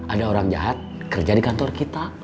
ada orang jahat kerja di kantor kita